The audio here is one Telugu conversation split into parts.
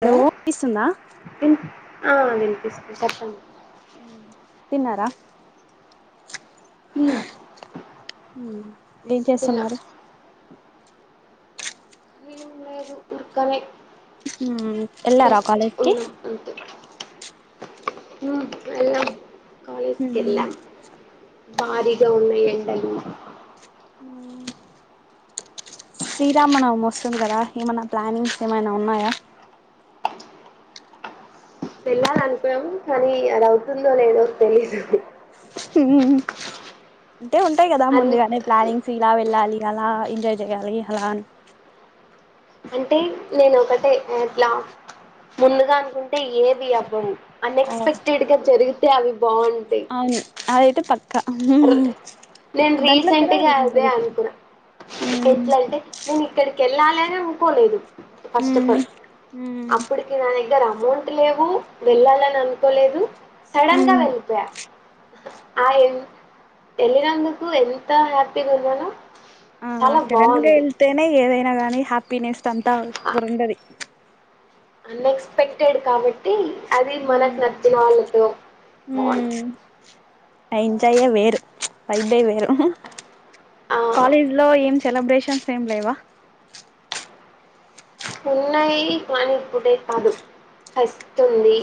హలో వినిపిస్తుంద విన్ ఆ వినిపిస్త చెప్పండి తిన్నారా హ్మ్ మ్ ఏం తిన్నా చేస్తున్నారు ఇక్కనే హ ఎల్లారా కాలేజ్కి హ ఎల్లాం కాలేజ్ కెళ్ళాం భారీగా ఉన్నయ [unintelligible] శ్రీరామనవమొస్తుంది కదా ఏమన్నా ప్లానింగ్స్ ఏమైనా ఉన్నాయా వెళ్ళాలనుకున్నాం కానీ అదవుతుందో లేదో తెలీదు హ్మ్ అంటే ఉంటాయి కదా అన్ ముందుగానే ప్లానింగ్స్ ఇలా వెళ్ళాలి ఎలా ఎంజాయ్ చేయాలి అలా అని అంటే నేను ఒకటే అట్లా ముందుగా అనుకుంటే ఏదీ అవ్వవు అన్ ఎక్స్పెక్టెడ్ గా జరుగు టే అవి బాగుంటాయి అవును అదైతే పక్కా నేను దాంట్లో కూడా రీసెంట్గా అదే ఉంటది అనుకున్నా ఎట్లాంటే నేను ఇక్కడికెళ్ళాలి [unintelligible] కోలేదు ఫస్టఫాల్ అప్పుటికి నా దగ్గర అమౌంట్ లేవు వెళ్ళాలని అనుకోలేదు సడన్గా వెళ్ళిపోయా ఆ ఎన్ ఎళ్ళినందుకు ఎంత హ్యాపీగున్నానో ఆ సడన్గా ఎళ్తేనే ఏదైనాగ హ్యాపీనెస్ [unintelligible] ఉండది అన్ ఎక్స్పెక్టెడ్ కాబ టే అది మనకు నచ్చిన వాళ్ళతో బావుం ఆ ఎంజాయే వేరు [unintelligible] డ్డే వేరు ఆ కాలేజ్ లో ఏం సెలబ్రేషన్స్ ఏం లేవా ఉన్నాయి కానీ ఇప్పుడే కాదు ఫస్టుంది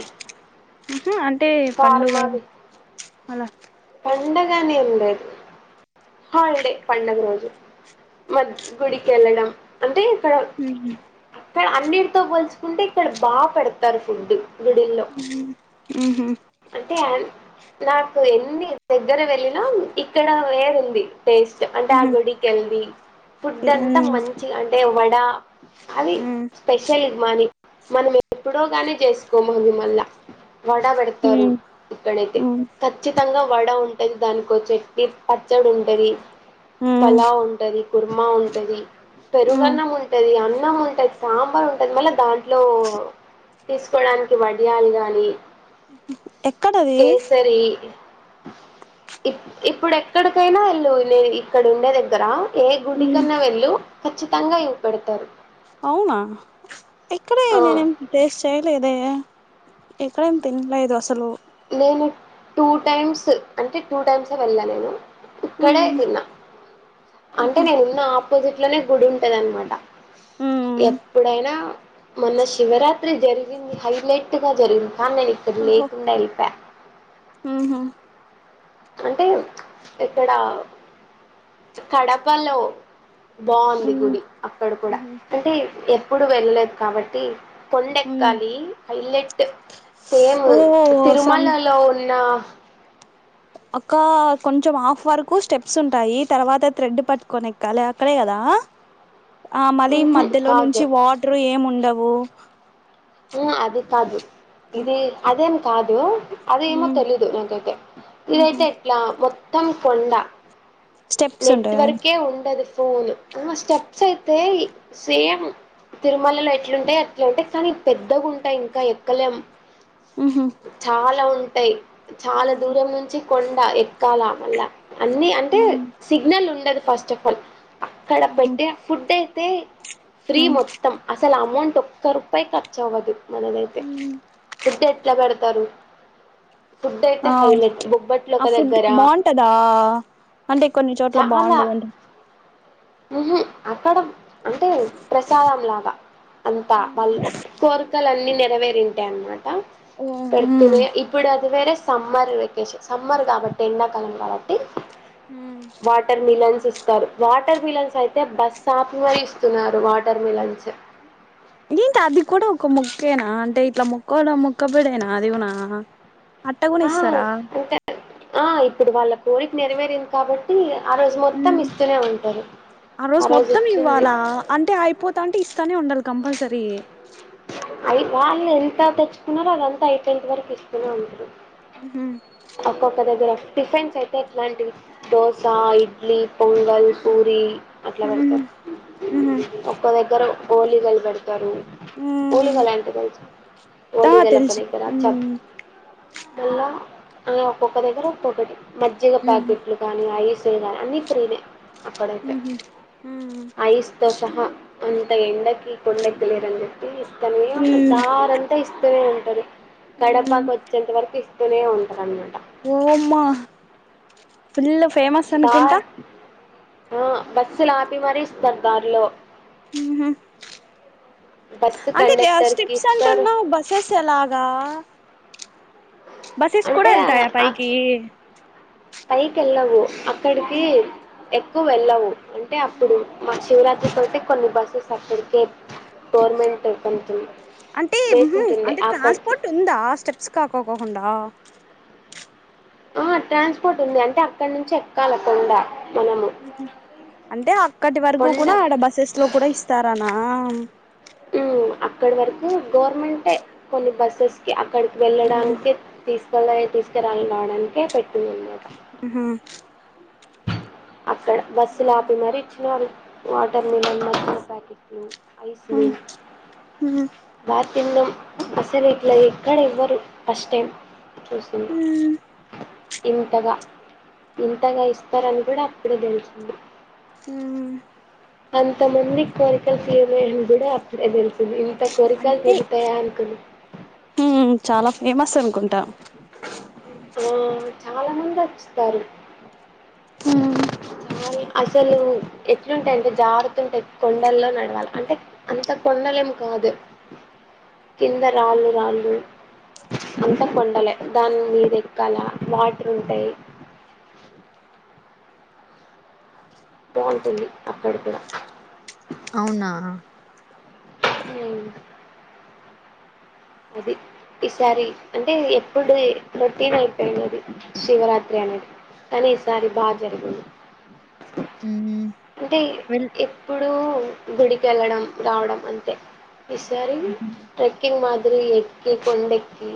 టే పండుగ అలా పండగనే ఉండదు హాలిడే పండగ రోజు మ గుడికెళ్ళడం అంటే ఊహు క్కడ అన్నిటితో పోల్చుకుంటే ఇక్కడ బా పెడతారు ఫుడ్డు గుడిల్లో ఉహు అంటే నాకు ఎన్ని దగ్గర వెళ్ళినా ఇక్కడ వేరు ఉంది టేస్ట్ అంటే ఆ గుడికెళ్ది ఉహు ఫుడ్ ఉమ్ అంతా మంచి అంటే వ నా అది ఉమ్ స్పెషల్ ఇమ్మని మనం ఎప్పుడో గానే చేసుకోమని మల్ల వడా పెడతారు ఉమ్ ఇక్కడైతే ఉమ్ ఖచ్చితంగా వడ ఉంటది దానికోచ్చట్టి పచ్చడి ఉంటది ఉమ్ పలా ఉంటది కుర్మా ఉంటది ఉమ్ పెరుగన్నం ఉంటది అ అన్నం ఉంటాది సాంబార్ ఉంటుది మళ్ళా దాంట్లో తీసుకోడానికి వడియాలు గాని ఎక్కడది కేసరి ఇ ఇప్పుడు ఎక్కడికైనా వెల్లు న ఇక్కడ ఉండే దగ్గర ఏ గుడి ఉమ్ కన్నా వెళ్ళు ఖచ్చితంగా ఇవ్వ పెడతారు అవునా ఇక్కడే ఆ నేనేం టెస్ చేయలేదే ఎక్కడ ఏం తినలేదు అసలు నేను టూ టైమ్స్ అంటే టూ టైమ్స్ ఏ వెళ్ళ నేను ఇక్కడే ఉహు తిన్నా అంటే నేను ఉన్న ఆపోజిట్లోనే గుడి ఉంటదినమాట ఎప్పుడైనా మొన్న శివరాత్రి జరిగింది హైలైట్ గా జరిగింది కా ఇక్కడ లేకుండా వెళ్ ఆహా అంటే ఇక్కడ కడపలో బాగుంది గుడి ఉహు అక్కడ కూడా అంటే ఎఫ ఎప్పుడు వెళ్ళలేదు కాబట్టి ఉమ్ కొండెక్కాలి హైలెట్ సేమ్ ఓ సమ్ తిరుమలలో ఉన్న ఇంకా కొంచెం ఆఫ్ వరకు స్టెప్స్ ఉంటాయి తర్వాత థ్రెడ్ పట్టుకొని ఎక్కాలి అక్కడే కదా ఆ మళ్ళీ ఉహు మధ్యలో కాదు నుంచి వాటర్ ఏముం టవు హు అది కాదు ఇది అదే కాధు అదేమో ఉమ్ తెలిదు నాకైతే ఉహు ఇదైతే ఎట్లా మే మొత్తం కొండ స్టెప్స్ ఉంటాయా నెట్వర్క్ ఉండదు ఫోన్ మా స్టెప్స్ అయితే సేమ్ తిరుమలలో ఎట్లుంటే అట్లాంటే కానీ పెద్ద గూటయి ఇంకా ఎక్కలేం ఉహు చాలా ఉ ట చాలా ఉమ్ దూరం నుంచి కొండ ఎక్కాల మల్ల అన్ని అంటే సిగ్నల్ ఉండదు ఫస్ట్ ఆఫ్ ఆల్ అక్కడ ఉహు పెట్టిన ఫుడ్ అయి అ ఫ్రీ ఉమ్ మొత్తం అ అసలు అమౌంట్ ఒక్క రూపాయి క చవది మనదైతే ఫుడ్ ఎట్లా పెడతారు ఫుడ్ అయితే ఆ హైలైట్ బొబ్బట్లు ఆ ఒక ఫుడ్ దగ్గర బాగుంటదా అంటే కొన్ని చోట్ల బాగుంటదండి హు అక్కడ అంటే ప్రసాదం లాగా అంతా వాళ్ళు కోరికలన్నీ నెరవేరింటా అన్నమాట ఓ ఉమ్ పెడుతాలే ఉమ్ ఇప్పుడు అది వేర సమ్మర్ వెకేషన్ సమ్మర్ కాబట్టి ఎండాకాలం కాబట్టి వాటర్ మిలన్స్ ఇ ఇస్త వాటర్ మిలన్స్ అయితే బస్ప్ అపి ఇస్తున్నారు వాటర్ మిలన్స్ ఏంటి అది కూడా ఒక మొక్కేనా అంటే ఇట్లా మెక్కడం కూడా ముక్కబడేనా అది కూడా అట్ట ఆ ఇస్తారా అంటే ఆ ఇప్పుడు వాళ్ళకు కోరిక నెరవేరింది కాబట్టి ఆ రోజు హు మొత్తం ఇస్తూనే ఉంటారు ఆ రోజు మొత్తం ఇవ్వాలా అంటే అయిపోతా అంటే ఇస్తానే ఉండాలి కంపల్సరీ అయి వాళ్ళు ఎంత తెచ్చుకున్నారో అదంతా అయిపోయాక వరకు ఇస్తూనే ఉంటారు ఒక్కొక్క దగ్గర టిఫిన్స్ అయితే ఎట్లాంటివి దోస ఇడ్లీ పొంగల్ పూరి అట్లా ఉమ్ పెడతారు ఉహు ఒక్కో దగ్గర హోలీగాలు పెడతారు ఉమ్ హలీగాల దా తెలుసు హోలీగాలక్కరా ఉమ్ మ ఏ ఒక్కొక్క దగ్గర ఒక్కొక్కటి మజ్జిగ ఉహు ప్యాకెట్లు కాగానీ ఐస్ చే అన్నీ ఫ్రీ నే అక్కడతే ఉమ్ ఐస్ సహా అంత ఎండకి కొండెక్తులిర అని చెప్పి ఇ తమ ఉంట ఉమ్ దారుంతా ఇస్త నే ఉంటది కడపకి వచ్చేంత వరకు ఇస్త బానే ఉంటారున్నమాట ఓమా పుల్ ఫేమస్ దా అనుకుంటా ఆ బస్సులు ఆపి మరి ఇస్తారు దారిలో బస్సు అంటే కండక్టర్‌కి స్ట్రిప్స్ ఇస్తారు. అంటున్నావు బసెస్ ఎలాగా బసెస్ కూడా అంటే వెళ్తాయా పైకి పైకి ఎలావు అ ఇక్కడికి ఎక్కువ వెళ్ళవు అంటే అప్పుడు మా చివరా అకతే కొన్ని బస సర్టిఫికేట్ అంటే వేసింటుంది అంటే అక్కడికి. ట్రాన్స్పోర్ట్ ఉందా స్టెప్స్ కాకోకోకుండా ఆ ట్రాన్స్పోర్ట్ ఉంది అంటే అక్కడ నుంచి ఎక్కాలకుండా అంటే అక్కటి వరకు కొండ కూడా ఆడ బస్సెస్ లో కూడా ఇస్తారనా ఉమ్ అక్కడ వరకు గవర్నమెంట్ ఎ కొన్ని బస్సెస్ కి అక్కడికి వెళ్ళడానికే తీసు తీసుకురాలని రావడానినికే పెట్తుంది మాకు హమ్ అక్కడ బస్సులు ఆపి మరి ఇచ్చిన వాళ్ళు వాటర్ మిలన్ ఇప్పు ఐస్ బస్ ఇంద అసలు ఇట్లా ఎక్కడ ఇవ్వరు ఫస్ట్ టైం చూస్తుం ఇంతగా ఇంతగా ఇస్తారని కూడా ఇప్పుడే తెల్సింది ఊమ్ అంత మందికి కోరికల్ తీరలేదు కూడా అ అంతే చాలా ఉ ఫేమస్ అనుకుంటా అట్ట ఓ చాలా మంది వచ్చుతారు హుమ్ చాలా అసలు ఎట్లుంటాయ అంటే జారుతుంటే, కొండల్లో నడవాలి అంటే, అంత కొండలేం కాదు. కింద రాళ్ళు రాళ్ళు అంత కొండలే. దాని మీద ఎక్కాల వాటర్ ఉంటాయి. బాగుంటుంది అక్కడ కూడా అవునా అ అది ఈసారి అంటే ఎప్పుడు రొటీన్ అయిపోయింది అది శివరాత్రి అనేది కానీ ఈసారి బాగా జరిగింది ఉమ్ అంటే వెల్ ఎప్పుడు గుడికెళ్ళడం రావడం అంతే ఈసారి ట్రెకింగ్ మాద్ ఇ ఎక్కీ కొండెక్కి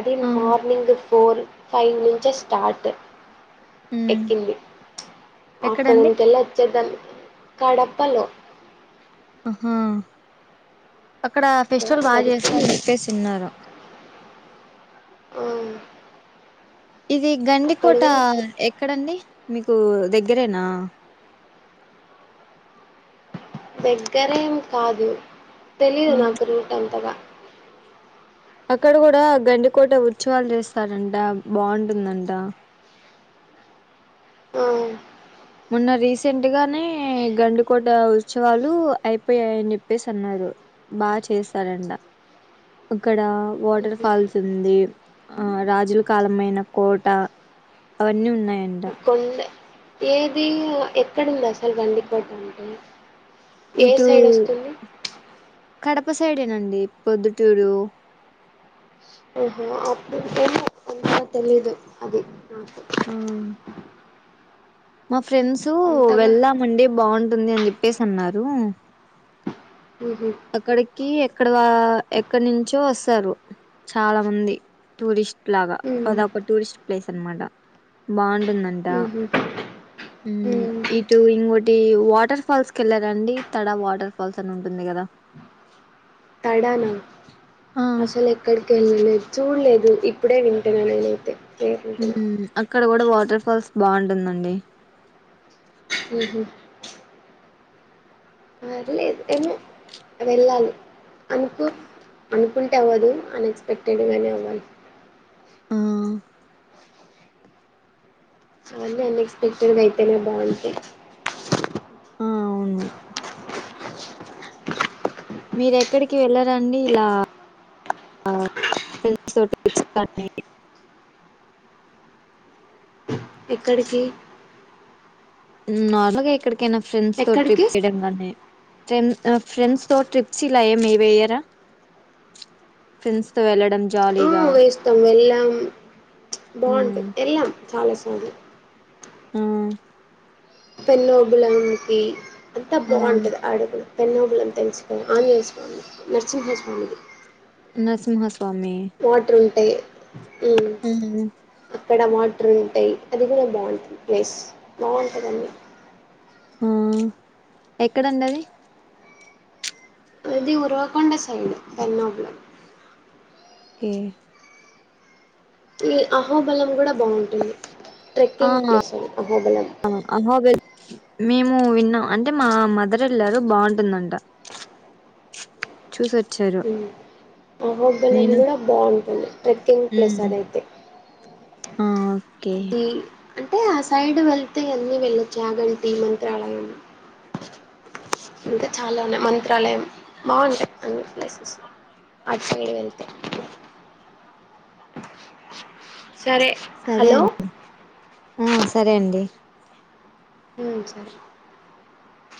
అది ఆ మార్నింగ్ ఫోర్ ఫైవ్ నుంచే స్టార్ట్ ఉమ్ ఎక్కీంది ఎక్కడండి ఆఫ్టర్నూన్ కెళ్ళి వచ్చేద్దంలే కడపలో ఆహా అక్కడ ఫెస్టివల్ బాగుంది బాగా అది చేస్తరు కూడా అని చెప్పేసిన్నారు అవును ఇది గండికోట ఎక్కడండి మీకు దగ్గరేనా దగ్గరేం కాదు తెలీదు నాకు రూట్ అంతగా అక్కడ కూడా గండికోట ఉత్సవాలు చేస్తారంట. బాగుంటుందంట ఆవును మొన్న రీసెంట్ గానే గండికోట ఉత్సవాలు అయిపోయాయని చెప్పేసి అన్నారు. బాగా చేసరంట. ఇక్కడ వాటర్ హుహు. ఫాల్స్ ఉంది ఆ రాజుల కాలమైన కోట అవన్ అన్ని ఉన్నాయంట కొండ ఏది ఎక్కడుంది అసలు గండికోట అంటే ఏ ఇటూ సైడ్ వస్తుంది? కడప సైడే వస్తుంది ఇప్పు ఎదుటి వరు ఓహో అప్పుడు అంత తెలిదు అది ఆ మా ఫ్రెండ్స్ అంతగా వెళ్ళామండి బాగుం ఉంది అని చెప్పేసి అన్నారు హుహు. అక్కడకి అక్కడ ఎక్కడ నుంచో వస్తారు చాలా మంది టూరిస్ట్ లాగా అద హ్మ్. ఒక టూరిస్ట్ ప్లేస్ అనమాట బాగుం ఉహూ ఊ ఇటు ఇంకోటి ఈ వాటర్ ఫాల్స్ కి వెళ్ళారండి తడా వాటర్ ఫాల్స్ అని ఉంటుంది కదా తడానా ఆ అసలు ఎక్కడికి వెళ్ళలేదు చూడలేదు ఇప్పుడే వింటన్నా నేనైతే పేరు ఊ వింటున్నా. అక్ అక్కడ కూడా వాటర్ ఫాల్స్ బాగుంటుందండి ఉహూ అ లేదు ఏమో వెళ్ళాలి అనుకు అనుకుంటే అవ్వదు అనేక్ట్ పెట్టడుగానేమల్ ఆ అన్నీ అన్ఎక్స్పెక్టెడ్ గా అయితేనే బాగుంటాయి ఆ అవును మీరు ఎక్కడికి వెళ్ళర అండి ఇలా ఫ్రెండ్స్ తోటి చప్స్ ఇక్కడికి ఉమ్ నార్మల్ గా ఎక్కడికి కైనా ఫ్రెండ్స్ తో ట్రిప్ ఎక్కడికి చేయడం నే ఫ్రెండ్ ఫ్రెండ్స్ తో ట్రిప్స్ ఇలా వెయ్యరా ఫ్రెండ్స్ తో వెళ్ళడం జాలీగా వేస్తాం వెళ్ళాం బాగుంటుంది మ్మ్ వెళ్ళాం చాలా సార్లు ఆ పెన్నోబులానికి అంతా ఆ బాగుంటది ఆడుగున పెన్నోబిలం తెలుసు కదా ఆంజనేయ స్వామి స్వామి నరసింహస్వామి ది నరసింహ స్వా సామి టాయి హ్మ్ హు అక్కడ వాటర్ ఉంటాయి అది కూడా బాగుంటుంది ప్లేస్ బాగుంటుందన్నీ ఆ ఎక్కడండది ది ఉరువకొండ సైడ్ పెన్నోబిలం కే ఈ అహోబలం కూడా బాగుంటుంది ఆ ట్రెక్కింగ్ ప్లేస్ అది అహోబలం అహోబిల్ మేము విన్నాం అంటే మా మదర్ వెళ్లారు బాగుంటుందంట చూసొచ్చారు హ్మ్ అహోబిలం నేను కూడా బాగుంటుంది ట్రెక్కింగ్ ప్లేస్ ఉమ్ అదైతే ఆ ఓకే అది అంటే ఆ సైడ్ వెళ్తే అన్నీ వెళ్ళొచ్చు యాగంటి మంత్రాలయం ఇంకా చాలా ఉన్నాయి మంత్రాలయం బాగుంటాయి అన్ని ప్లేసెస్ అట్ సైడ్ వెళ్తే సరే సరే హలో అండి ఆ సరే అండి హ్మ్ సరే